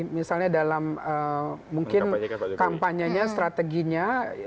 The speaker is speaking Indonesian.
misalnya dalam mungkin kampanyenya strateginya